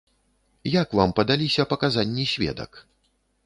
Як вам падаліся паказанні сведак?